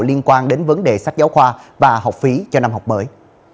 liên quan đến vấn đề sách giáo khoa và học phí cho năm học mới